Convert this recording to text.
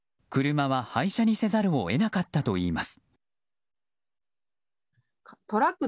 車は廃車にせざるを得なかったといいます。